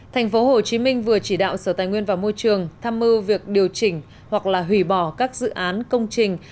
thành phố hồ chí minh vừa chỉ đạo sở tài nguyên và môi trường tham mưu việc điều chỉnh hoặc là hủy bỏ các dự án công trình